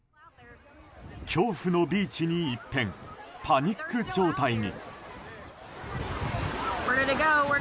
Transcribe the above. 恐怖のビーチに一変パニック状態に。